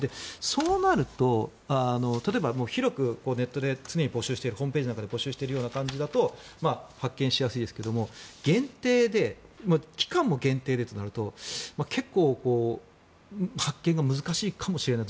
そうなると、例えば広くネットで常に募集しているホームページなんかで募集している感じだと発見しやすいですが限定で期間も限定でとなると結構、発見は難しいかもしれない。